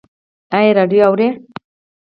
ایا راډیو اورئ؟